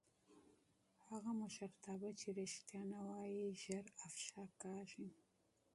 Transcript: هغه مشرتابه چې رښتیا نه وايي ژر افشا کېږي